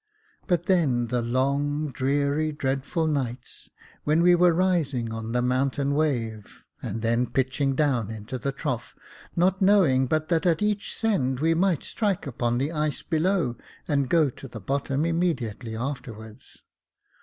But then the long, dreary, dreadful nights, when we were rising on the mountain wave, and then pitching down into the trough, not know ing but that at each send we might strike upon the ice below, and go to the bottom immediately afterwards.